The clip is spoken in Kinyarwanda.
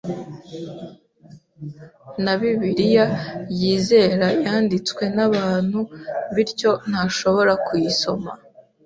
na bibiliya yizerayanditswe n’abantu bityo ntashobora kuyisoma